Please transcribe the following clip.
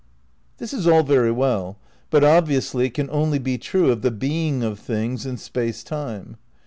This is all very well but, obviously, it can only be true of the being of things in Space Time.